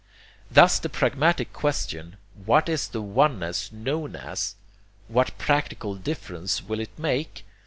Thus the pragmatic question 'What is the oneness known as? What practical difference will it make?'